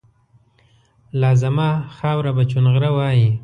لازما خاوره به چونغره وایي